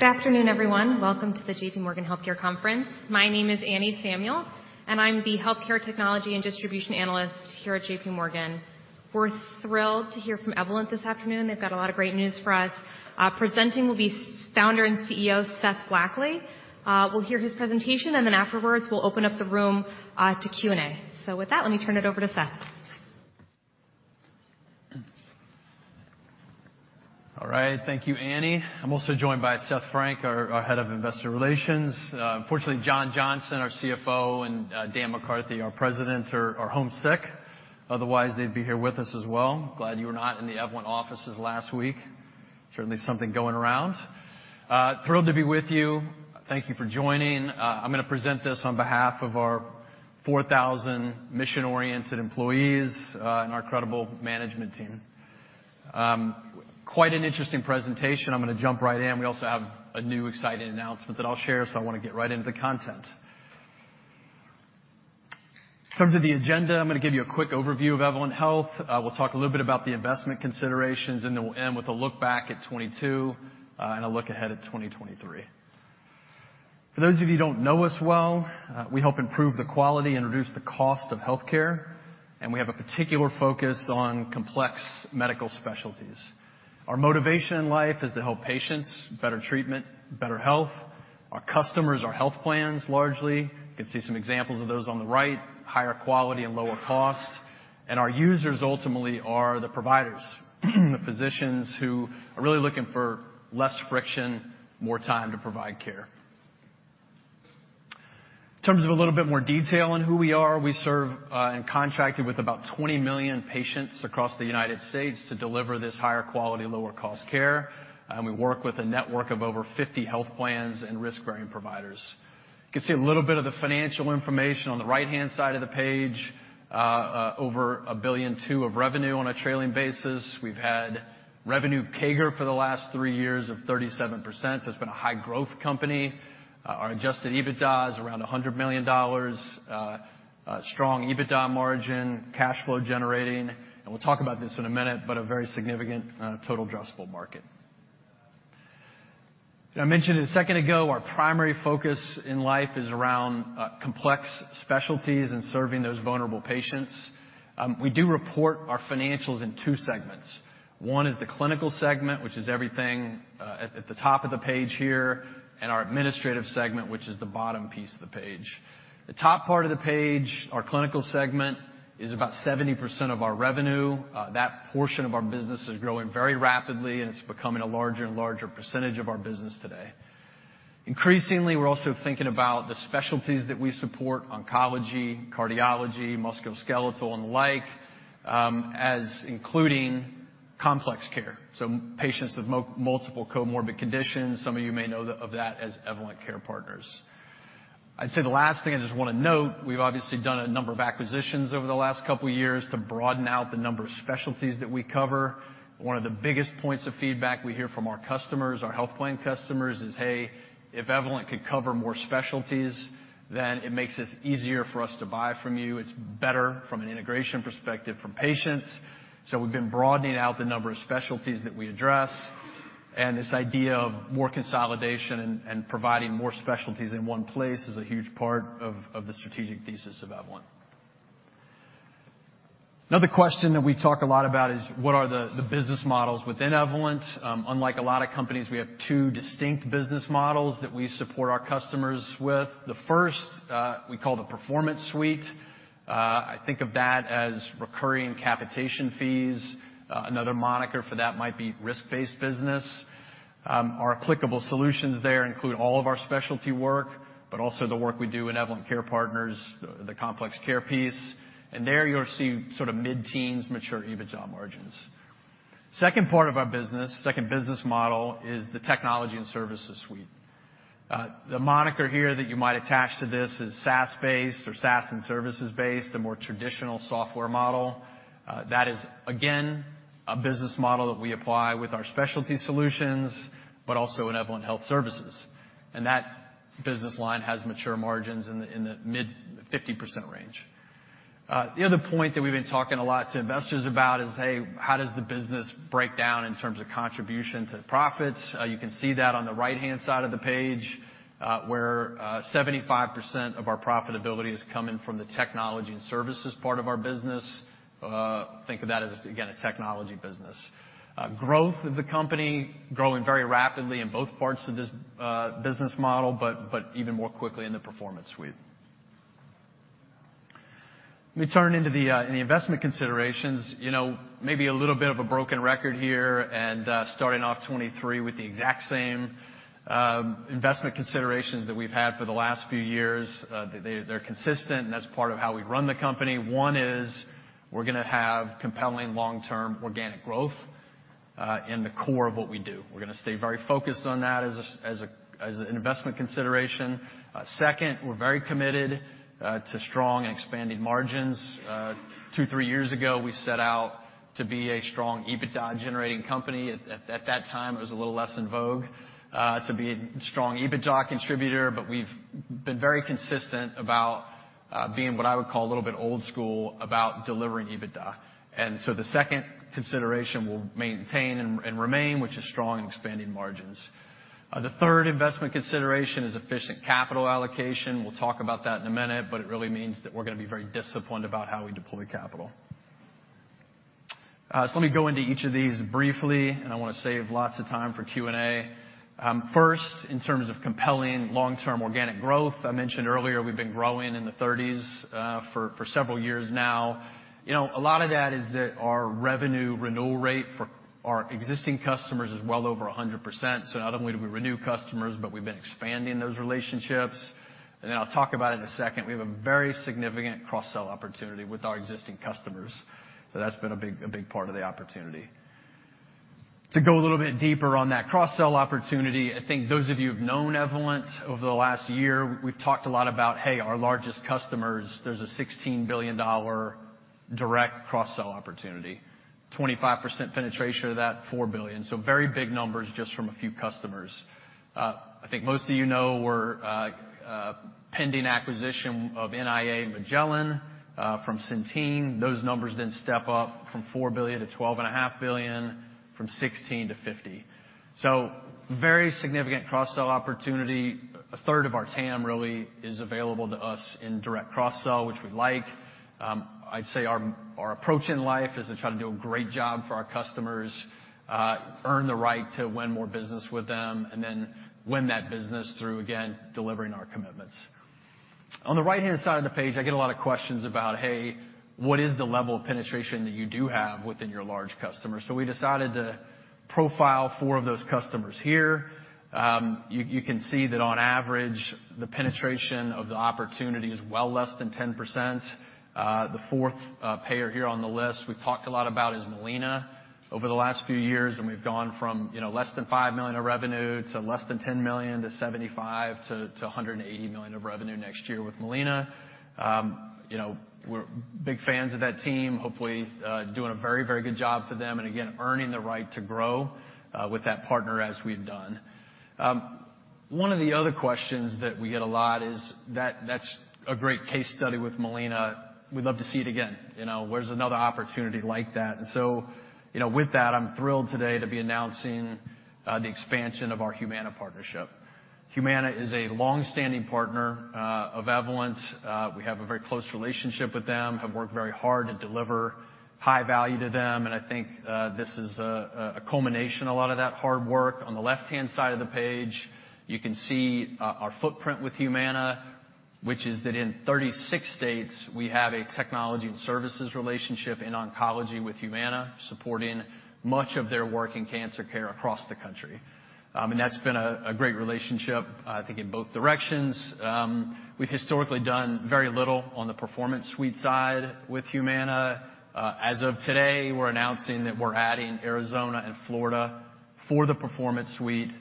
Good afternoon, everyone. Welcome to the JPMorgan Healthcare Conference. My name is Anne Samuel, and I'm the Healthcare Technology and Distribution Analyst here at JPMorgan. We're thrilled to hear from Evolent this afternoon. They've got a lot of great news for us. Presenting will be Founder and CEO, Seth Blackley. We'll hear his presentation, and then afterwards, we'll open up the room to Q&A. With that, let me turn it over to Seth. All right. Thank you, Anne. I'm also joined by Seth Frank, our Head of Investor Relations. Unfortunately, John Johnson, our CFO, and Dan McCarthy, our President, are home sick. Otherwise, they'd be here with us as well. Glad you were not in the Evolent offices last week. Certainly something going around. Thrilled to be with you. Thank you for joining. I'm gonna present this on behalf of our 4,000 mission-oriented employees and our credible management team. Quite an interesting presentation. I'm gonna jump right in. We also have a new exciting announcement that I'll share, so I wanna get right into the content. In terms of the agenda, I'm gonna give you a quick overview of Evolent Health. We'll talk a little bit about the investment considerations, then we'll end with a look back at 2022 and a look ahead at 2023. For those of you who don't know us well, we help improve the quality and reduce the cost of healthcare, we have a particular focus on complex medical specialties. Our motivation in life is to help patients, better treatment, better health. Our customers are health plans, largely. You can see some examples of those on the right, higher quality and lower cost. Our users ultimately are the providers, the physicians who are really looking for less friction, more time to provide care. In terms of a little bit more detail on who we are, we serve in contracted with about 20 million patients across the United States to deliver this higher quality, lower cost care. We work with a network of over 50 health plans and risk-bearing providers. You can see a little bit of the financial information on the right-hand side of the page. Over $1.2 billion of revenue on a trailing basis. We've had revenue CAGR for the last three years of 37%, it's been a high growth company. Our adjusted EBITDA is around $100 million. Strong EBITDA margin, cash flow generating, and we'll talk about this in a minute, but a very significant total addressable market. I mentioned a second ago, our primary focus in life is around complex specialties and serving those vulnerable patients. We do report our financials in two segments. One is clinical segment, which is everything at the top of the page here, and our administrative segment, which is the bottom piece of the page. The top part of the page, clinical segment, is about 70% of our revenue. That portion of our business is growing very rapidly, and it's becoming a larger and larger percentage of our business today. Increasingly, we're also thinking about the specialties that we support, oncology, cardiology, musculoskeletal and the like, as including complex care. Patients with multiple comorbid conditions. Some of you may know of that as Evolent Care Partners. I'd say the last thing I just wanna note, we've obviously done a number of acquisitions over the last couple years to broaden out the number of specialties that we cover. One of the biggest points of feedback we hear from our customers, our health plan customers, is, "Hey, if Evolent could cover more specialties, then it makes this easier for us to buy from you. It's better from an integration perspective from patients." We've been broadening out the number of specialties that we address, and this idea of more consolidation and providing more specialties in one place is a huge part of the strategic thesis of Evolent. Another question that we talk a lot about is what are the business models within Evolent. Unlike a lot of companies, we have two distinct business models that we support our customers with. The first, we call the Performance Suite. I think of that as recurring capitation fees. Another moniker for that might be risk-based business. Our applicable solutions there include all of our specialty work, but also the work we do in Evolent Care Partners, the complex care piece. There you'll see sort of mid-teens mature EBITDA margins. Second part of our business, second business model is the Technology and Services Suite. The moniker here that you might attach to this is SaaS-based or SaaS and services-based, a more traditional software model. That is again, a business model that we apply with our specialty solutions, but also in Evolent Health Services. That business line has mature margins in the mid 50% range. The other point that we've been talking a lot to investors about is, hey, how does the business break down in terms of contribution to profits? You can see that on the right-hand side of the page, where 75% of our profitability is coming from the Technology and Services Suite. Think of that as, again, a technology business. Growth of the company, growing very rapidly in both parts of this business model, but even more quickly in the Performance Suite. Let me turn into the investment considerations. You know, maybe a little bit of a broken record here, and starting off 2023 with the exact same investment considerations that we've had for the last few years. They're consistent, and that's part of how we run the company. One is we're gonna have compelling long-term organic growth in the core of what we do. We're gonna stay very focused on that as an investment consideration. Second, we're very committed to strong and expanding margins. Two, three years ago, we set out to be a strong EBITDA-generating company. At that time, it was a little less in vogue. To be a strong EBITDA contributor, but we've been very consistent about being what I would call a little bit old school about delivering EBITDA. The second consideration will maintain and remain, which is strong and expanding margins. The third investment consideration is efficient capital allocation. We'll talk about that in a minute, but it really means that we're gonna be very disciplined about how we deploy capital. Let me go into each of these briefly, and I wanna save lots of time for Q&A. First, in terms of compelling long-term organic growth, I mentioned earlier we've been growing in the 30s for several years now. You know, a lot of that is that our revenue renewal rate for our existing customers is well over 100%. Not only do we renew customers, but we've been expanding those relationships. I'll talk about in a second, we have a very significant cross-sell opportunity with our existing customers. That's been a big part of the opportunity. To go a little bit deeper on that cross-sell opportunity, I think those of you who've known Evolent over the last year, we've talked a lot about, hey, our largest customers, there's a $16 billion direct cross-sell opportunity. 25% penetration of that, $4 billion. Very big numbers just from a few customers. I think most of you know we're pending acquisition of NIA Magellan from Centene. Those numbers then step up from $4 billion to $12.5 billion, from 16-50. Very significant cross-sell opportunity. A third of our TAM really is available to us in direct cross-sell, which we like. I'd say our approach in life is to try to do a great job for our customers, earn the right to win more business with them, and then win that business through, again, delivering our commitments. On the right-hand side of the page, I get a lot of questions about, hey, what is the level of penetration that you do have within your large customers? We decided to profile four of those customers here. You can see that on average, the penetration of the opportunity is well less than 10%. The fourth payer here on the list, we've talked a lot about, is Molina. Over the last few years, we've gone from, you know, less than $5 million of revenue to less than $10 million to $75 million-$180 million of revenue next year with Molina. You know, we're big fans of that team, hopefully, doing a very, very good job for them, again, earning the right to grow with that partner as we've done. One of the other questions that we get a lot is that that's a great case study with Molina. We'd love to see it again. You know, where's another opportunity like that? You know, with that, I'm thrilled today to be announcing the expansion of our Humana partnership. Humana is a long-standing partner of Evolent. We have a very close relationship with them, have worked very hard to deliver high value to them, and I think this is a culmination of a lot of that hard work. On the left-hand side of the page, you can see our footprint with Humana, which is that in 36 states, we have a technology and services relationship in oncology with Humana, supporting much of their work in cancer care across the country. That's been a great relationship, I think in both directions. We've historically done very little on the Performance Suite side with Humana. As of today, we're announcing that we're adding Arizona and Florida for the Performance Suite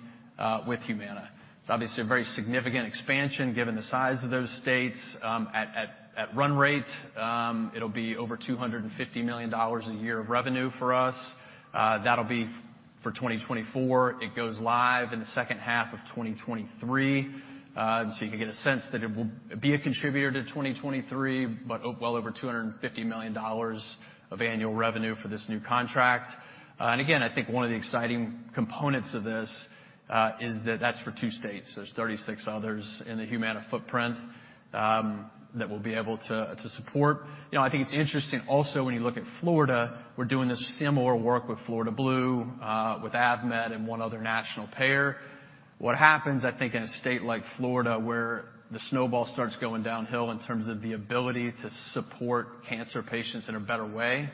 with Humana. It's obviously a very significant expansion given the size of those states. At run rate, it'll be over $250 million a year of revenue for us. That'll be for 2024. It goes live in the second half of 2023. So you can get a sense that it will be a contributor to 2023, but well over $250 million of annual revenue for this new contract. Again, I think one of the exciting components of this, is that that's for two states. There's 36 others in the Humana footprint that we'll be able to support. You know, I think it's interesting also when you look at Florida, we're doing this similar work with Florida Blue, with AvMed, and one other national payer. What happens, I think, in a state like Florida, where the snowball starts going downhill in terms of the ability to support cancer patients in a better way,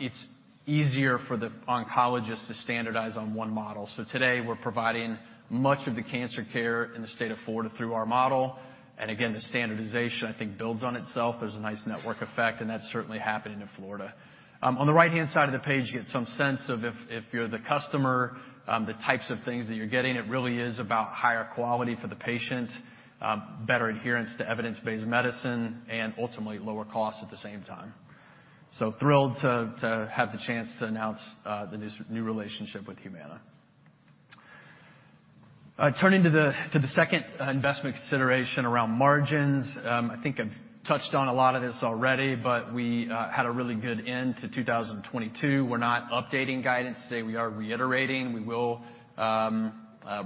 it's easier for the oncologist to standardize on one model. Today, we're providing much of the cancer care in the state of Florida through our model. Again, the standardization, I think, builds on itself. There's a nice network effect, and that's certainly happening in Florida. On the right-hand side of the page, you get some sense of if you're the customer, the types of things that you're getting, it really is about higher quality for the patient, better adherence to evidence-based medicine, and ultimately lower costs at the same time. Thrilled to have the chance to announce the new relationship with Humana. Turning to the second investment consideration around margins, I think I've touched on a lot of this already, but we had a really good end to 2022. We're not updating guidance today. We are reiterating. We will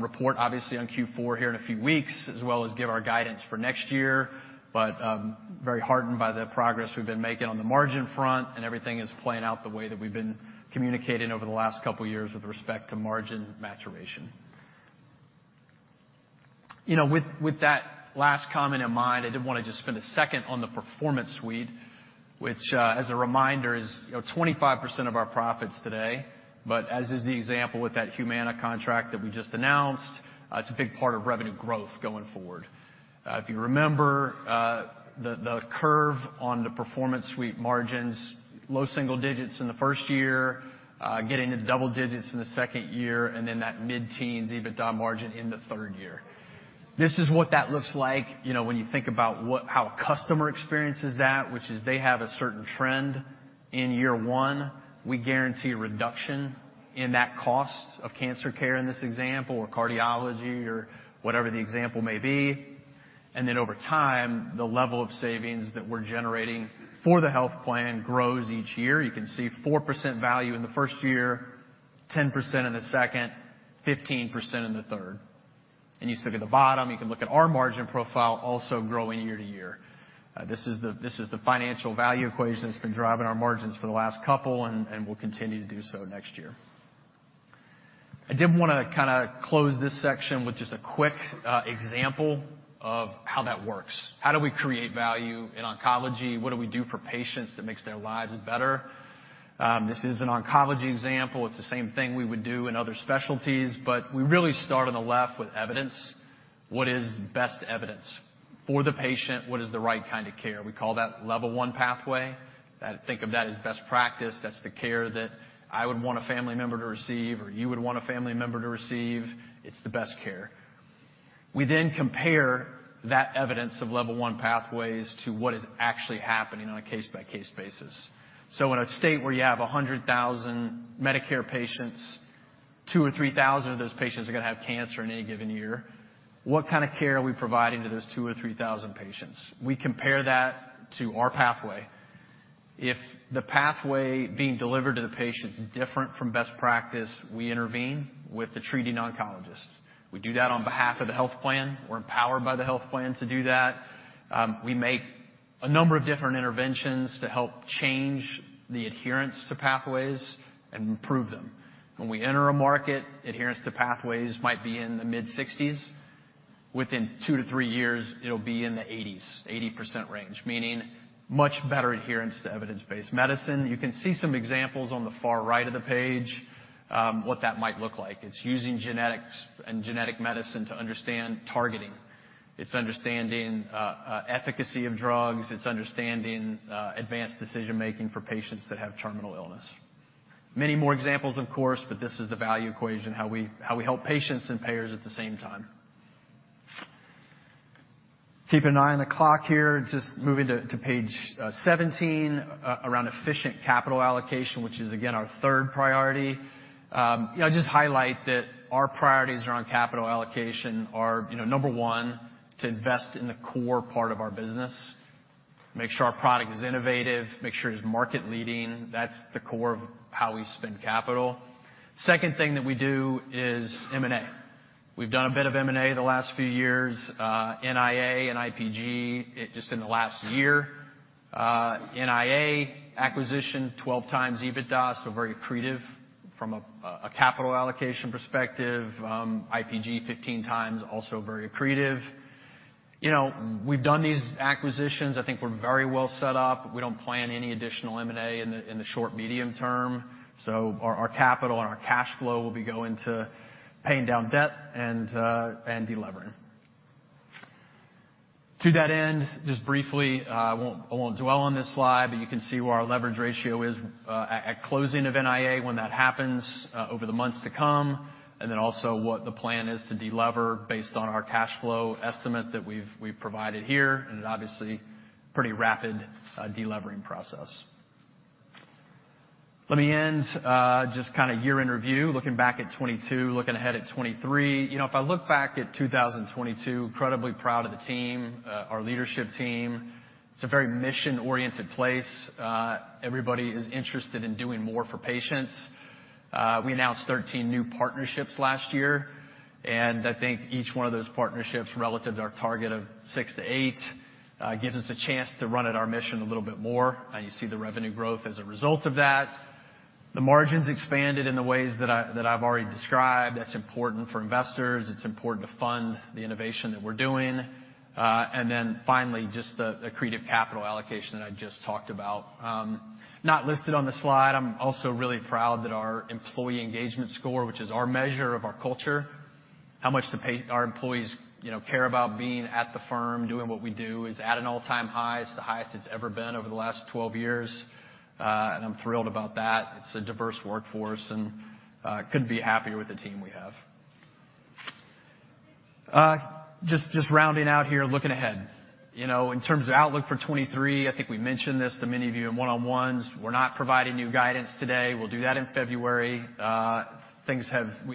report obviously on Q4 here in a few weeks, as well as give our guidance for next year. Very heartened by the progress we've been making on the margin front, and everything is playing out the way that we've been communicating over the last couple years with respect to margin maturation. You know, with that last comment in mind, I did wanna just spend a second on the Performance Suite, which, as a reminder is, you know, 25% of our profits today. As is the example with that Humana contract that we just announced, it's a big part of revenue growth going forward. If you remember, the curve on the Performance Suite margins, low single digits in the first year, getting to double digits in the second year, and then that mid-teens EBITDA margin in the third year. This is what that looks like, you know, when you think about how a customer experiences that, which is they have a certain trend. In year one, we guarantee a reduction in that cost of cancer care, in this example, or cardiology or whatever the example may be. Over time, the level of savings that we're generating for the health plan grows each year. You can see 4% value in the first year, 10% in the second, 15% in the third. You see at the bottom, you can look at our margin profile also growing year to year. This is the financial value equation that's been driving our margins for the last couple and will continue to do so next year. I did wanna kinda close this section with just a quick example of how that works. How do we create value in oncology? What do we do for patients that makes their lives better? This is an oncology example. It's the same thing we would do in other specialties, we really start on the left with evidence. What is best evidence for the patient? What is the right kind of care? We call that level one pathway. Think of that as best practice. That's the care that I would want a family member to receive or you would want a family member to receive. It's the best care. We compare that evidence of Level 1 Pathways to what is actually happening on a case-by-case basis. In a state where you have 100,000 Medicare patients, 2,000 or 3,000 of those patients are gonna have cancer in any given year. What kind of care are we providing to those 2,000 or 3,000 patients? We compare that to our pathway. If the pathway being delivered to the patient is different from best practice, we intervene with the treating oncologist. We do that on behalf of the health plan. We're empowered by the health plan to do that. We make a number of different interventions to help change the adherence to pathways and improve them. When we enter a market, adherence to pathways might be in the mid-60s. Within two to three years, it'll be in the 80s, 80% range, meaning much better adherence to evidence-based medicine. You can see some examples on the far right of the page, what that might look like. It's using genetics and genetic medicine to understand targeting. It's understanding efficacy of drugs. It's understanding advanced decision-making for patients that have terminal illness. Many more examples, of course, this is the value equation, how we help patients and payers at the same time. Keeping an eye on the clock here. Just moving to Page 17, around efficient capital allocation, which is, again, our third priority. You know, just highlight that our priorities around capital allocation are, you know, number one, to invest in the core part of our business, make sure our product is innovative, make sure it's market-leading. That's the core of how we spend capital. Second thing that we do is M&A. We've done a bit of M&A the last few years, NIA and IPG just in the last year. NIA acquisition, 12x EBITDA, so very accretive from a capital allocation perspective. IPG, 15x, also very accretive. You know, we've done these acquisitions. I think we're very well set up. We don't plan any additional M&A in the, in the short, medium term. Our, our capital and our cash flow will be going to paying down debt and delevering. To that end, just briefly, I won't dwell on this slide. You can see where our leverage ratio is at closing of NIA when that happens over the months to come, and then also what the plan is to delever based on our cash flow estimate that we've provided here, and obviously, pretty rapid delevering process. Let me end, just kinda year-end review, looking back at 2022, looking ahead at 2023. You know, if I look back at 2022, incredibly proud of the team, our leadership team. It's a very mission-oriented place. Everybody is interested in doing more for patients. We announced 13 new partnerships last year. I think each one of those partnerships, relative to our target of six to eight, gives us a chance to run at our mission a little bit more. You see the revenue growth as a result of that. The margins expanded in the ways that I've already described. That's important for investors. It's important to fund the innovation that we're doing. Finally, just the accretive capital allocation that I just talked about. Not listed on the slide, I'm also really proud that our employee engagement score, which is our measure of our culture, how much our employees, you know, care about being at the firm doing what we do, is at an all-time high. It's the highest it's ever been over the last 12 years, and I'm thrilled about that. It's a diverse workforce, couldn't be happier with the team we have. Just rounding out here, looking ahead. You know, in terms of outlook for 2023, I think we mentioned this to many of you in one-on-ones. We're not providing new guidance today. We'll do that in February. We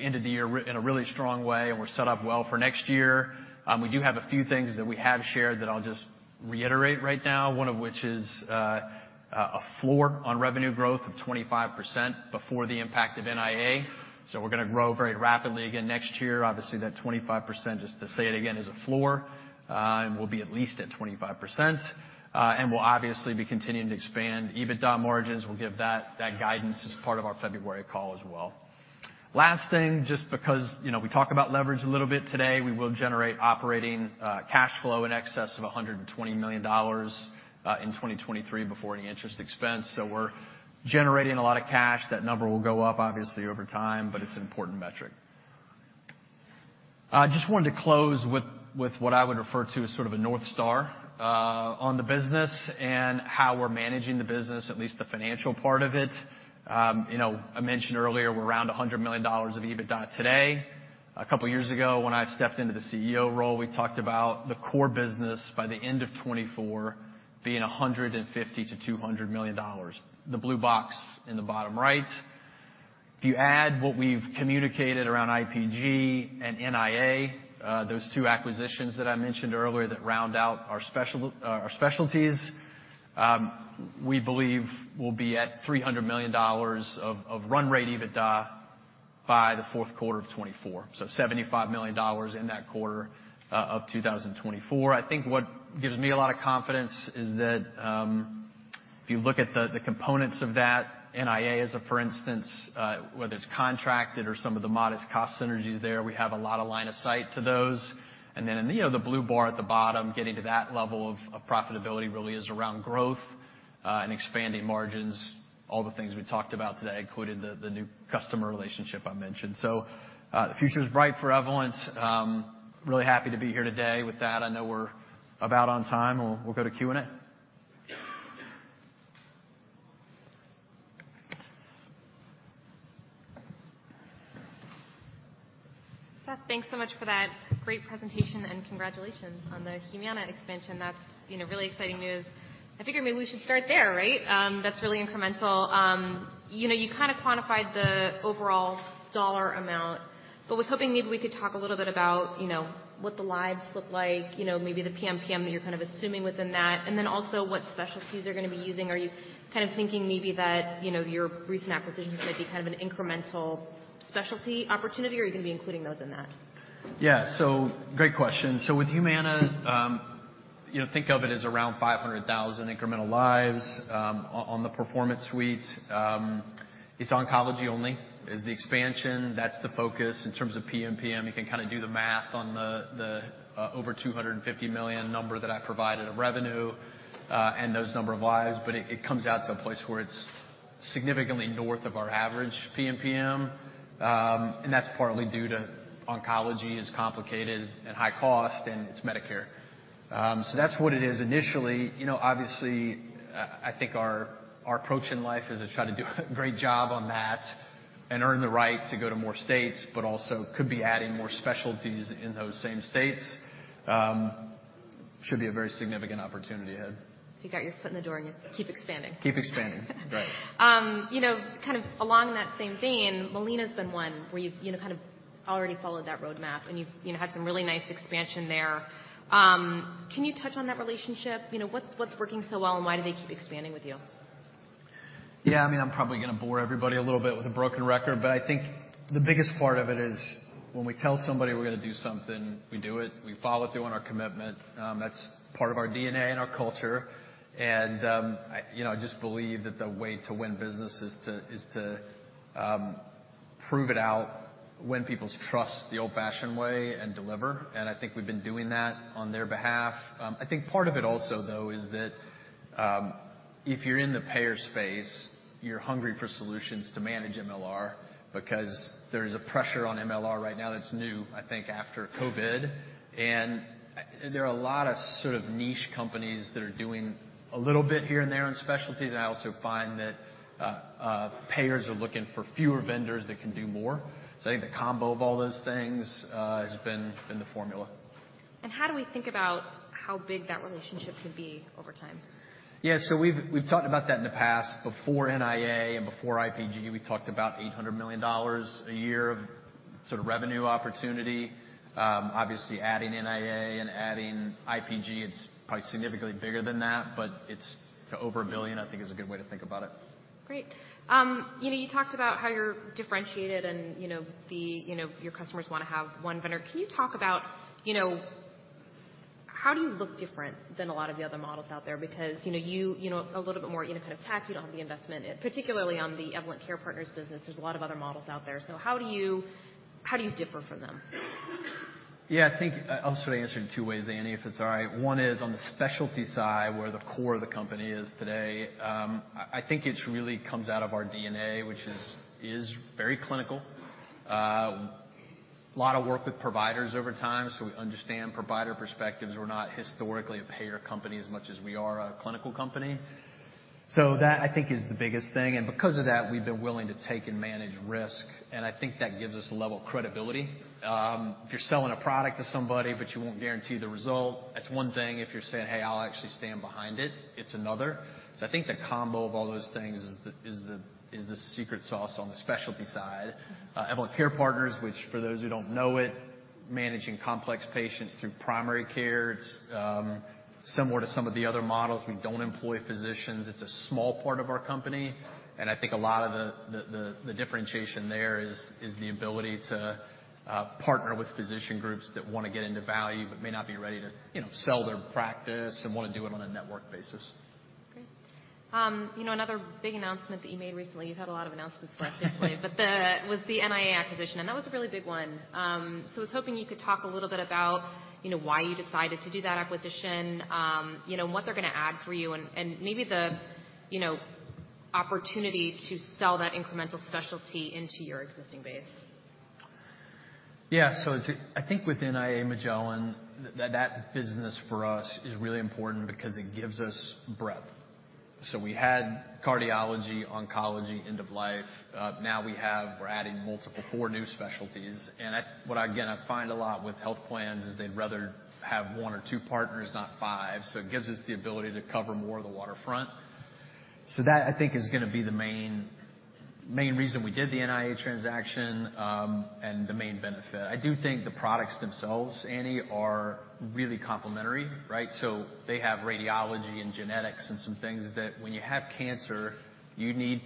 ended the year in a really strong way, and we're set up well for next year. We do have a few things that we have shared that I'll just reiterate right now, one of which is a floor on revenue growth of 25% before the impact of NIA. We're gonna grow very rapidly again next year. Obviously, that 25%, just to say it again, is a floor, and we'll be at least at 25%. We'll obviously be continuing to expand EBITDA margins. We'll give that guidance as part of our February call as well. Last thing, just because, you know, we talked about leverage a little bit today, we will generate operating cash flow in excess of $120 million in 2023 before any interest expense. We're generating a lot of cash. That number will go up, obviously, over time, but it's an important metric. I just wanted to close with what I would refer to as sort of a north star on the business and how we're managing the business, at least the financial part of it. You know, I mentioned earlier we're around $100 million of EBITDA today. A couple years ago when I stepped into the CEO role, we talked about the core business by the end of 2024 being $150 million-$200 million, the blue box in the bottom right. If you add what we've communicated around IPG and NIA, those two acquisitions that I mentioned earlier that round out our specialties, we believe we'll be at $300 million of run rate EBITDA by the fourth quarter of 2024. $75 million in that quarter of 2024. I think what gives me a lot of confidence is that, if you look at the components of that, NIA, as a for instance, whether it's contracted or some of the modest cost synergies there, we have a lot of line of sight to those. In, you know, the blue bar at the bottom, getting to that level of profitability really is around growth and expanding margins, all the things we talked about today, including the new customer relationship I mentioned. The future is bright for Evolent. Really happy to be here today. I know we're about on time. We'll go to Q&A. Seth, thanks so much for that great presentation. Congratulations on the Humana expansion. That's, you know, really exciting news. I figure maybe we should start there, right? That's really incremental. You know, you kinda quantified the overall dollar amount, was hoping maybe we could talk a little bit about, you know, what the lives look like, you know, maybe the PMPM that you're kind of assuming within that, and then also what specialties they're gonna be using? Are you kind of thinking maybe that, you know, your recent acquisitions might be kind of an incremental specialty opportunity, or are you gonna be including those in that? Great question. With Humana, you know, think of it as around 500,000 incremental lives on the Performance Suite. It's oncology only is the expansion. That's the focus. In terms of PMPM, you can kinda do the math on over $250 million number that I provided of revenue, and those number of lives, but it comes out to a place where it's significantly north of our average PMPM. That's partly due to oncology is complicated and high cost, and it's Medicare. That's what it is initially. You know, obviously, I think our approach in life is to try to do a great job on that and earn the right to go to more states, but also could be adding more specialties in those same states. Should be a very significant opportunity ahead. You got your foot in the door, and you keep expanding. Keep expanding. Right. You know, kind of along that same vein, Molina's been one where you've, you know, kind of already followed that roadmap, and you've, you know, had some really nice expansion there. Can you touch on that relationship? You know, what's working so well, and why do they keep expanding with you? Yeah, I mean, I'm probably gonna bore everybody a little bit with a broken record, but I think the biggest part of it is when we tell somebody we're gonna do something, we do it, we follow through on our commitment. That's part of our DNA and our culture. I, you know, I just believe that the way to win business is to prove it out, win people's trust the old-fashioned way and deliver. I think we've been doing that on their behalf. I think part of it also, though, is that if you're in the payer space, you're hungry for solutions to manage MLR because there's a pressure on MLR right now that's new, I think, after COVID. There are a lot of sort of niche companies that are doing a little bit here and there on specialties. I also find that payers are looking for fewer vendors that can do more. I think the combo of all those things has been the formula. How do we think about how big that relationship could be over time? Yeah. We've talked about that in the past. Before NIA and before IPG, we talked about $800 million a year of sort of revenue opportunity. Obviously adding NIA and adding IPG, it's probably significantly bigger than that, but it's to over $1 billion, I think is a good way to think about it. Great. you know, you talked about how you're differentiated and, you know, the, you know, your customers wanna have one vendor. Can you talk about, you know, how do you look different than a lot of the other models out there? Because, you know, you know, a little bit more in a kind of tech. You don't have the investment, particularly on the Evolent Care Partners business. There's a lot of other models out there. How do you differ from them? Yeah. I think I'll sort of answer in two ways, Anne, if it's all right? One is on the specialty side, where the core of the company is today. I think it's really comes out of our DNA, which is very clinical. lot of work with providers over time, so we understand provider perspectives. We're not historically a payer company as much as we are a clinical company. That, I think, is the biggest thing. Because of that, we've been willing to take and manage risk, and I think that gives us a level of credibility. If you're selling a product to somebody, but you won't guarantee the result, that's one thing. If you're saying, "Hey, I'll actually stand behind it," it's another. I think the combo of all those things is the secret sauce on the specialty side. Evolent Care Partners, which for those who don't know it, managing complex patients through primary care. It's similar to some of the other models. We don't employ physicians. It's a small part of our company, I think a lot of the differentiation there is the ability to partner with physician groups that wanna get into value but may not be ready to, you know, sell their practice and wanna do it on a network basis. Great. You know, another big announcement that you made recently, you've had a lot of announcements for us yesterday. The NIA acquisition, and that was a really big one. I was hoping you could talk a little bit about, you know, why you decided to do that acquisition, you know, and what they're gonna add for you? And maybe the, you know, opportunity to sell that incremental specialty into your existing base? Yeah. I think with NIA Magellan, that business for us is really important because it gives us breadth. So we had cardiology, oncology, end of life. Now we're adding multiple, four new specialties. What, again, I find a lot with health plans is they'd rather have one or two partners, not five. It gives us the ability to cover more of the waterfront. That I think is gonna be the main reason we did the NIA transaction and the main benefit. I do think the products themselves, Anne, are really complementary, right? They have radiology and genetics and some things that when you have cancer, you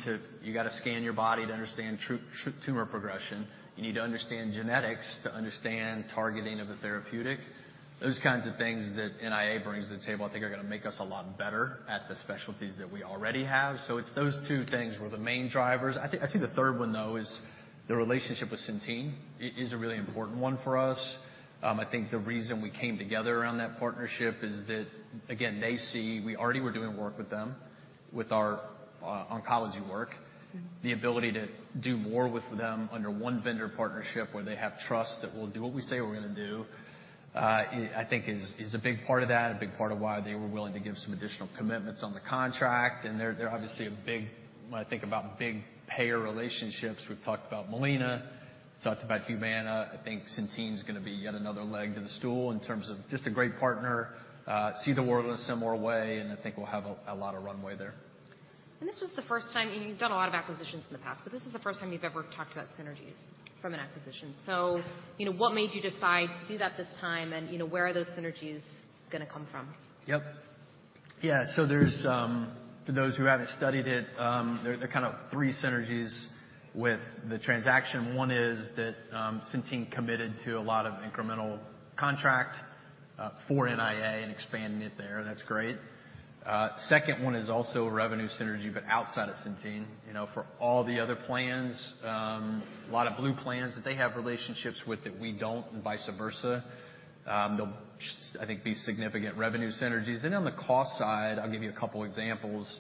gotta scan your body to understand tumor progression. You need to understand genetics to understand targeting of a therapeutic. Those kinds of things that NIA brings to the table I think are gonna make us a lot better at the specialties that we already have. It's those two things were the main drivers. I think the third one, though, is the relationship with Centene is a really important one for us. I think the reason we came together around that partnership is that, again, they see we already were doing work with them, with our oncology work. Mm-hmm. The ability to do more with them under one vendor partnership where they have trust that we'll do what we say we're gonna do, I think is a big part of that, a big part of why they were willing to give some additional commitments on the contract. They're obviously a big payer relationships, we've talked about Molina, we've talked about Humana. I think Centene's gonna be yet another leg to the stool in terms of just a great partner, see the world in a similar way, and I think we'll have a lot of runway there. This was the first time, I mean, you've done a lot of acquisitions in the past, but this is the first time you've ever talked about synergies from an acquisition. You know, what made you decide to do that this time and, you know, where are those synergies gonna come from? Yep. Yeah, for those who haven't studied it, there are kind of three synergies with the transaction. One is that Centene committed to a lot of incremental contract for NIA and expanding it there, and that's great. Second one is also a revenue synergy, but outside of Centene. You know, for all the other plans, a lot of Blue plans that they have relationships with that we don't and vice versa, there'll I think, be significant revenue synergies. On the cost side, I'll give you a couple examples.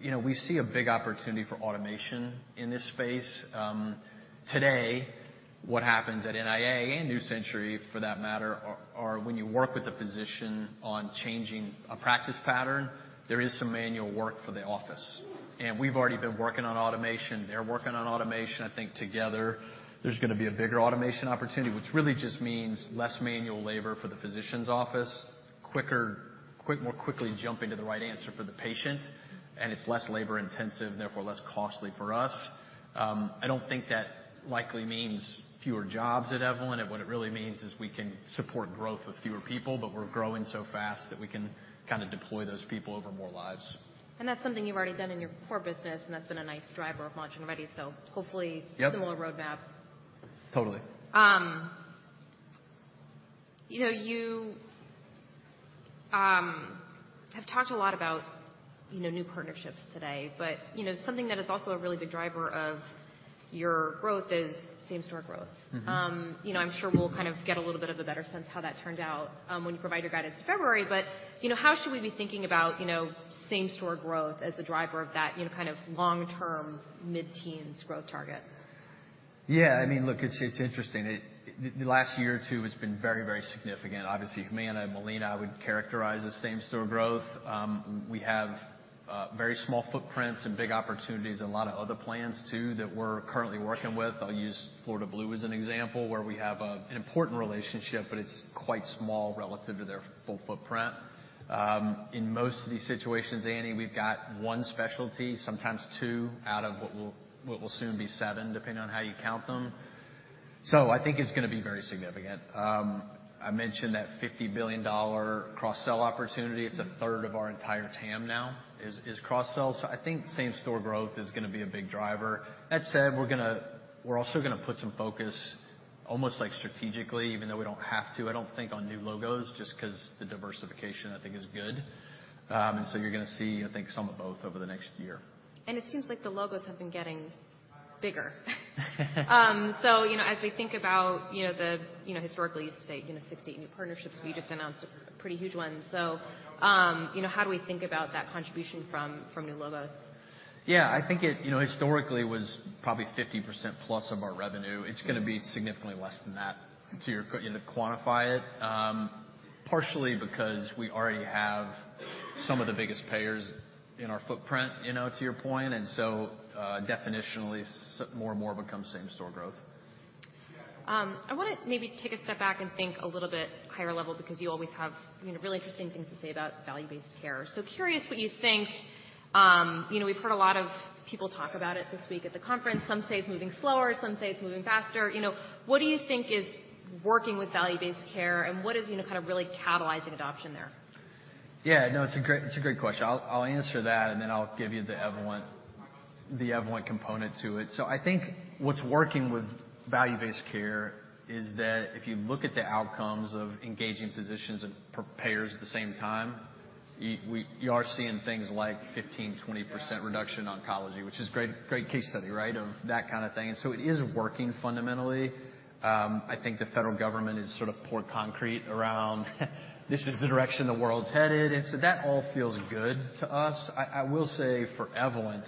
You know, we see a big opportunity for automation in this space. Today, what happens at NIA and New Century, for that matter, are when you work with a physician on changing a practice pattern, there is some manual work for the office. We've already been working on automation. They're working on automation. I think together there's gonna be a bigger automation opportunity, which really just means less manual labor for the physician's office, quicker, more quickly jumping to the right answer for the patient, and it's less labor intensive, therefore less costly for us. I don't think that likely means fewer jobs at Evolent. What it really means is we can support growth with fewer people, but we're growing so fast that we can kinda deploy those people over more lives. That's something you've already done in your core business, and that's been a nice driver of margin already. Hopefully- Yep. Similar roadmap. Totally. You know, you have talked a lot about, you know, new partnerships today. You know, something that is also a really big driver of your growth is same-store growth. Mm-hmm. You know, I'm sure we'll kind of get a little bit of a better sense how that turned out, when you provide your guidance in February. you know, how should we be thinking about, you know, same-store growth as the driver of that, you know, kind of long-term mid-teens growth target? I mean, look, it's interesting. The last year or two has been very, very significant. Obviously, Humana and Molina I would characterize as same-store growth. We have very small footprints and big opportunities, a lot of other plans too that we're currently working with. I'll use Florida Blue as an example, where we have a, an important relationship, but it's quite small relative to their full footprint. In most of these situations, Anne, we've got one specialty, sometimes two, out of what will soon be seven, depending on how you count them. I think it's gonna be very significant. I mentioned that $50 billion dollar cross-sell opportunity. Mm-hmm. It's a third of our entire TAM now is cross-sell. I think same-store growth is gonna be a big driver. That said, we're also gonna put some focus almost like strategically, even though we don't have to, I don't think, on new logos, just 'cause the diversification I think is good. You're gonna see, I think, some of both over the next year. It seems like the logos have been getting bigger. You know, as we think about, you know, the, you know, historically you used to say, you know, 15 new partnerships, we just announced a pretty huge one. you know, how do we think about that contribution from new logos? Yeah. I think it, you know, historically was probably 50%+ of our revenue. Mm-hmm. It's gonna be significantly less than that you know, to quantify it. Partially because we already have some of the biggest payers in our footprint, you know, to your point. Definitionally more and more of it becomes same-store growth. I wanna maybe take a step back and think a little bit higher level because you always have, you know, really interesting things to say about value-based care. Curious what you think. You know, we've heard a lot of people talk about it this week at the conference. Some say it's moving slower. Some say it's moving faster. You know, what do you think is working with value-based care, and what is, you know, kind of really catalyzing adoption there? Yeah, no, it's a great question. I'll answer that, then I'll give you the Evolent component to it. I think what's working with value-based care is that if you look at the outcomes of engaging physicians and payers at the same time, you are seeing things like 15%, 20% reduction in oncology, which is great case study, right, of that kind of thing. It is working fundamentally. I think the federal government has sort of poured concrete around, this is the direction the world's headed, that all feels good to us. I will say for Evolent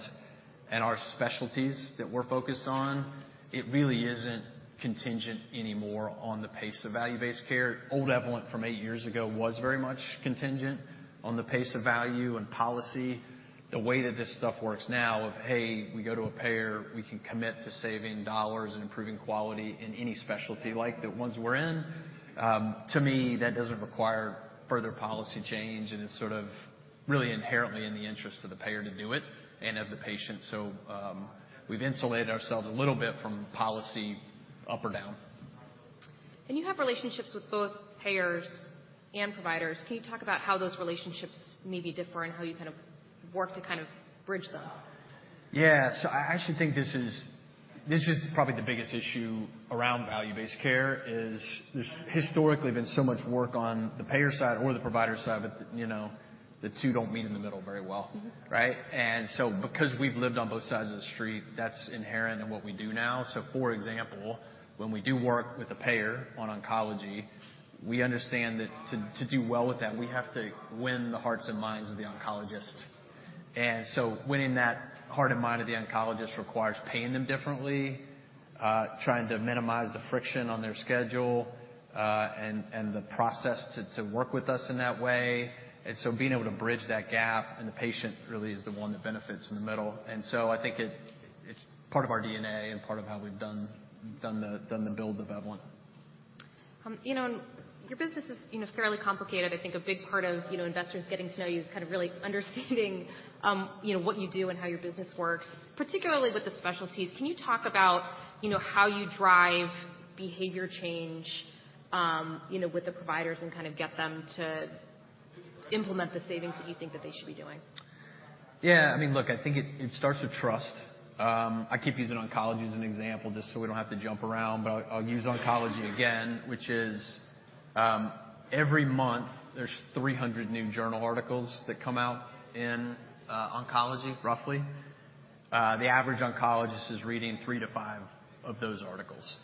and our specialties that we're focused on, it really isn't contingent anymore on the pace of value-based care. Old Evolent from eight years ago was very much contingent on the pace of value and policy. The way that this stuff works now of, hey, we go to a payer, we can commit to saving dollars and improving quality in any specialty like the ones we're in, to me, that doesn't require further policy change, and it's sort of really inherently in the interest of the payer to do it, and of the patient. We've insulated ourselves a little bit from policy up or down. You have relationships with both payers and providers. Can you talk about how those relationships maybe differ and how you kind of work to kind of bridge them? Yeah. I actually think this is probably the biggest issue around value-based care is there's historically been so much work on the payer side or the provider side, but, you know, the two don't meet in the middle very well. Mm-hmm. Right? Because we've lived on both sides of the street, that's inherent in what we do now. For example, when we do work with a payer on oncology, we understand that to do well with them, we have to win the hearts and minds of the oncologist. Winning that heart and mind of the oncologist requires paying them differently, trying to minimize the friction on their schedule, and the process to work with us in that way. Being able to bridge that gap, and the patient really is the one that benefits in the middle. I think it's part of our DNA and part of how we've done the build of Evolent. You know, your business is, you know, fairly complicated. I think a big part of, you know, investors getting to know you is kind of really understanding, you know, what you do and how your business works, particularly with the specialties. Can you talk about, you know, how you drive behavior change, you know, with the providers and kind of get them to implement the savings that you think that they should be doing? I mean, look, I think it starts with trust. I keep using oncology as an example, just so we don't have to jump around, but I'll use oncology again, which is, every month there's 300 new journal articles that come out in oncology, roughly. The average oncologist is reading three to five of those articles.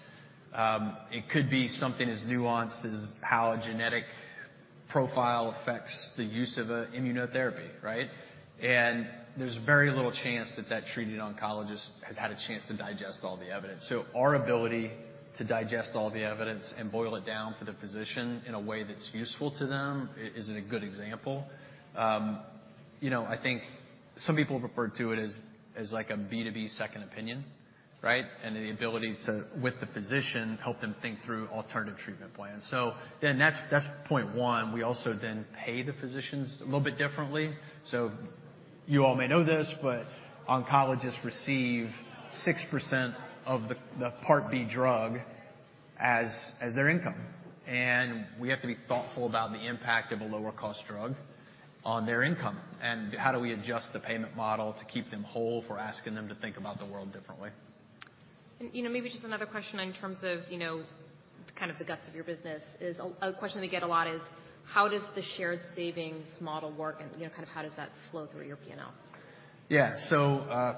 It could be something as nuanced as how a genetic profile affects the use of a immunotherapy, right? There's very little chance that that treating oncologist has had a chance to digest all the evidence. Our ability to digest all the evidence and boil it down for the physician in a way that's useful to them is a good example. You know, I think some people refer to it as like a B2B second opinion, right? The ability to, with the physician, help them think through alternative treatment plans. That's point one. We also then pay the physicians a little bit differently. You all may know this, but oncologists receive 6% of the Part B drug as their income. We have to be thoughtful about the impact of a lower cost drug on their income, and how do we adjust the payment model to keep them whole for asking them to think about the world differently. You know, maybe just another question in terms of, you know, kind of the guts of your business is a question we get a lot is how does the shared savings model work and, you know, kind of how does that flow through your P&L? Yeah.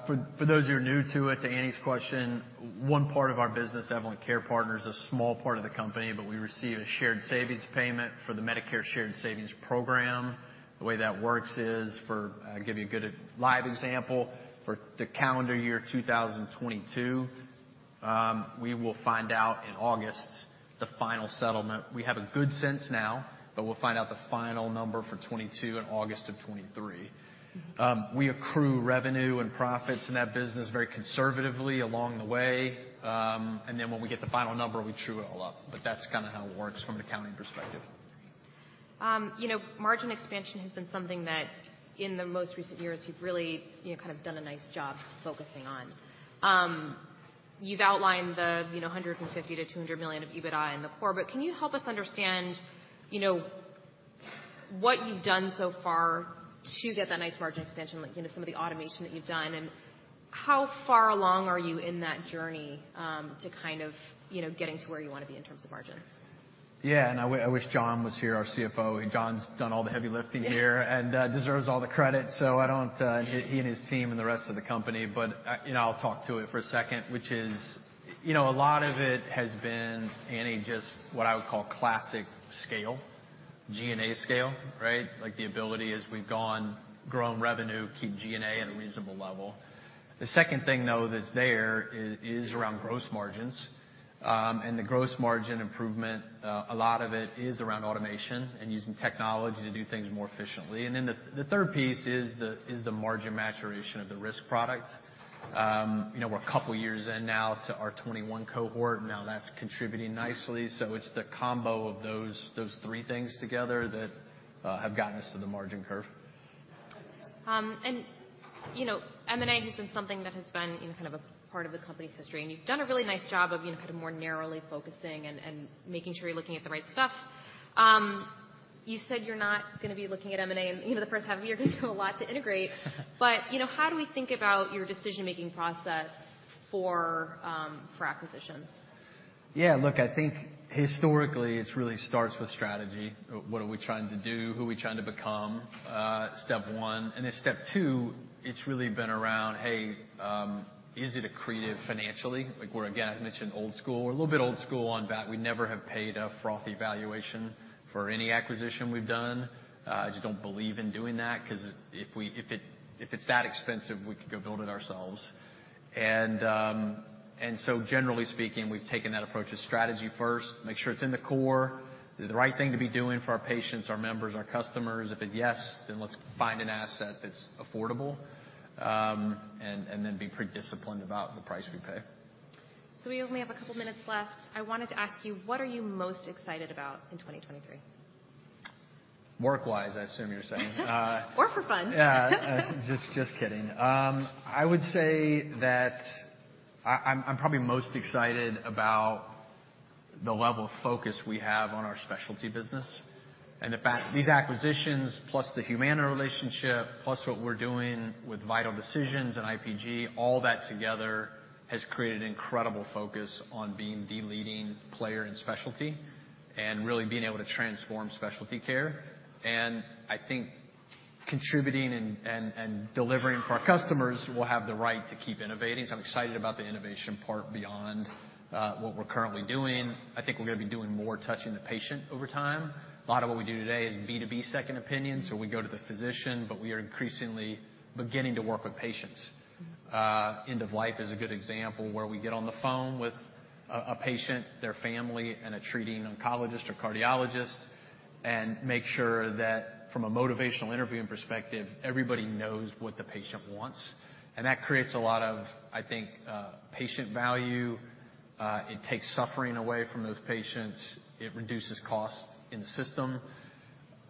For those who are new to it, to Anne's question, one part of our business, Evolent Care Partners, is a small part of the company, but we receive a shared savings payment for the Medicare Shared Savings Program. The way that works is for, I'll give you a good live example. For the calendar year 2022, we will find out in August the final settlement. We have a good sense now, but we'll find out the final number for 2022 in August of 2023. We accrue revenue and profits in that business very conservatively along the way. And then when we get the final number, we true it all up. That's kinda how it works from an accounting perspective. You know, margin expansion has been something that in the most recent years you've really, you know, kind of done a nice job focusing on. You've outlined the, you know, $150 million-$200 million of EBITDA in the core, but can you help us understand, you know, what you've done so far to get that nice margin expansion, like, you know, some of the automation that you've done, and how far along are you in that journey, to kind of, you know, getting to where you wanna be in terms of margins? Yeah. I wish John was here, our CFO. John's done all the heavy lifting here and deserves all the credit. I don't, he and his team and the rest of the company. You know, I'll talk to it for a second, which is, you know, a lot of it has been, Anne, just what I would call classic scale, G&A scale, right? Like, the ability as we've grown revenue, keep G&A at a reasonable level. The second thing, though, that's there is around gross margins. The gross margin improvement, a lot of it is around automation and using technology to do things more efficiently. The third piece is the margin maturation of the risk product. You know, we're a couple years in now to our 21 cohort. Now that's contributing nicely. It's the combo of those three things together that have gotten us to the margin curve. You know, M&A has been something that has been, you know, kind of a part of the company's history, and you've done a really nice job of, you know, kind of more narrowly focusing and making sure you're looking at the right stuff. You said you're not gonna be looking at M&A in, you know, the first half of the year. You have a lot to integrate. You know, how do we think about your decision-making process for acquisitions? Yeah, look, I think historically it's really starts with strategy. What are we trying to do? Who are we trying to become? Step one. Step two, it's really been around, hey, easy to create it financially. Like we're, again, I mentioned old school. We're a little bit old school on that we never have paid a frothy valuation for any acquisition we've done. I just don't believe in doing that 'cause if it's that expensive, we could go build it ourselves. Generally speaking, we've taken that approach of strategy first, make sure it's in the core, the right thing to be doing for our patients, our members, our customers. If it yes, then let's find an asset that's affordable, and be pretty disciplined about the price we pay. We only have a couple minutes left. I wanted to ask you, what are you most excited about in 2023? Work-wise, I assume you're saying? Or for fun. Yeah. Just kidding. I'm probably most excited about the level of focus we have on our specialty business and the fact these acquisitions plus the Humana relationship, plus what we're doing with Vital Decisions and IPG, all that together has created incredible focus on being the leading player in specialty and really being able to transform specialty care. I think contributing and delivering for our customers will have the right to keep innovating. I'm excited about the innovation part beyond what we're currently doing. I think we're gonna be doing more touching the patient over time. A lot of what we do today is B2B second opinion, so we go to the physician, but we are increasingly beginning to work with patients. End of life is a good example where we get on the phone with a patient, their family, and a treating oncologist or cardiologist and make sure that from a motivational interviewing perspective, everybody knows what the patient wants. That creates a lot of, I think, patient value. It takes suffering away from those patients. It reduces costs in the system.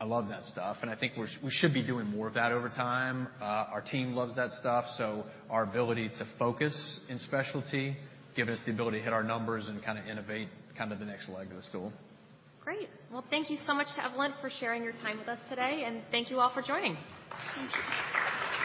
I love that stuff, and I think we should be doing more of that over time. Our team loves that stuff, so our ability to focus in specialty, giving us the ability to hit our numbers and kinda innovate kind of the next leg of the stool. Great. Well, thank you so much to Evolent for sharing your time with us today, and thank you all for joining. Thank you.